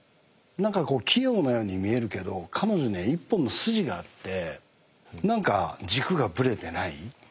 何かこう器用なように見えるけど彼女には一本の筋があって何か軸がぶれてない。